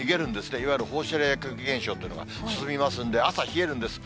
いわゆる放射冷却現象っていうのが進みますんで、朝冷えるんです。